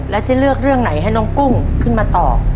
แล้วจะเลือกเรื่องไหนให้น้องกุ้งขึ้นมาตอบ